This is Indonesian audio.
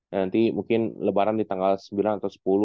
nanti mungkin lebaran di tanggal sembilan atau sepuluh